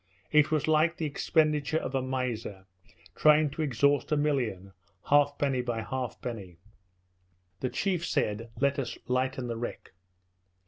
It was like the expenditure of a miser, trying to exhaust a million, halfpenny by halfpenny. The chief said, "Let us lighten the wreck."